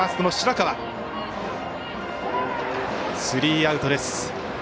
スリーアウトです。